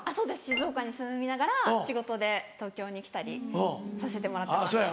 静岡に住みながら仕事で東京に来たりさせてもらってます。